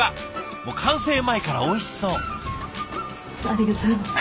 もう完成前からおいしそう！